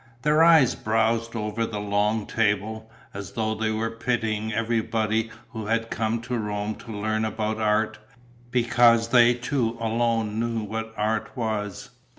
Their eyes browsed over the long table, as though they were pitying everybody who had come to Rome to learn about art, because they two alone knew what art was.